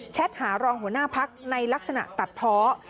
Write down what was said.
หารองหัวหน้าพักในลักษณะตัดเพาะ